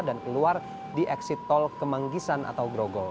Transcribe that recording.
dan keluar di exit tol kemanggisan atau grogol